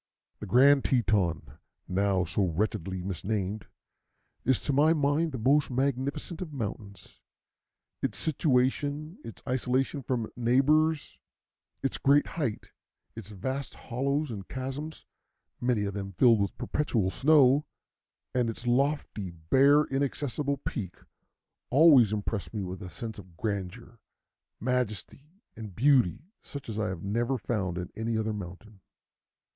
The Grand Teton, now so wretchedly mis named, is to my mind the most magnificent of mountains. Its situation, its isolation from neighbors, its great height, its vast hollows and chasms, many of them filled with perpetual snow, and its lofty, bare, inaccessible peak, always impress me with a sense of grandeur, majesty, and beauty, such as I have never found in any other mountain.